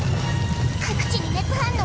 各地に熱反応